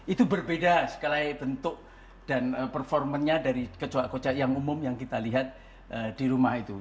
itu berbeda sekali bentuk dan performanya dari kocak yang umum yang kita lihat di rumah itu